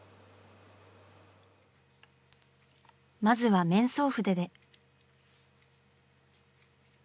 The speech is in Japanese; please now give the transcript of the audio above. まずは面相筆で。